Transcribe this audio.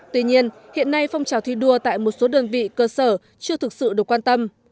tuy nhiên hiện nay phong trào thi đua tại một số đơn vị cơ sở chưa thực sự được quan tâm